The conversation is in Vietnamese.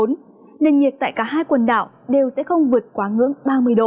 nền nhiệt tại cả hai quần đảo đều sẽ không vượt quá ngưỡng ba mươi độ